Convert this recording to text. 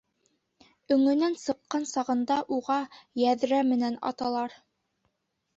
Өңөнән сыҡҡан сағында, уға йәҙрә менән аталар.